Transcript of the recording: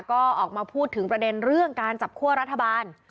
ก็ออกมาพูดถึงประเด็นเรื่องการจับคั่วรัฐบาล